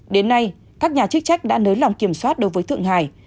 đến nay các nhà chức trách đã nới lỏng kiểm soát đối với thượng hải